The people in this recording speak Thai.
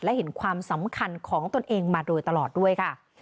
และเห็นความสำคัญของตนเองมาโดยตลอดด้วยค่ะ